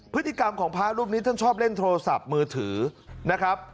พฤติกรรมของพระรูปนี้ท่านชอบเล่นโทรศัพท์มือถือนะครับ